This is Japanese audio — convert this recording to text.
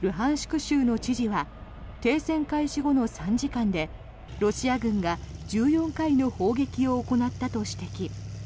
州の知事は停戦開始後の３時間でロシア軍が１４回の砲撃を行ったと指摘。